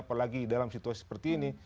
apalagi dalam situasi seperti ini